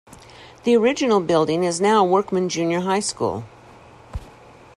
The original building is now Workman Junior High School.